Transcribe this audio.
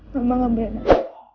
mama gak boleh nangis